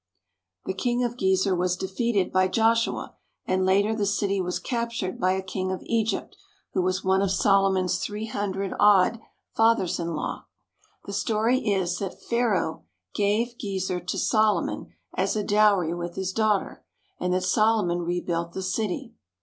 The King of Gezer was defeated by Joshua, and later the city was captured by a king of Egypt, who was one of Solomon's three hundred odd fathers in law. The story is that Pharaoh gave Gezer to Solomon as a dowry with his daughter, and that Solomon rebuilt the city.